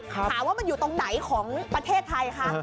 ถามว่ามันอยู่ตรงไหนของประเทศไทยคะ